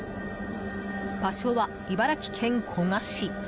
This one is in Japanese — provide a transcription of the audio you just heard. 場所は、茨城県古河市。